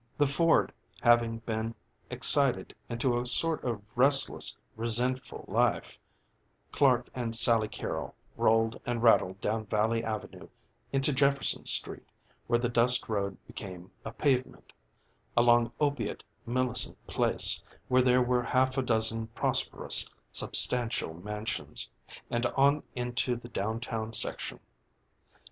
The Ford having been excited into a sort of restless resentful life Clark and Sally Carrol rolled and rattled down Valley Avenue into Jefferson Street, where the dust road became a pavement; along opiate Millicent Place, where there were half a dozen prosperous, substantial mansions; and on into the down town section.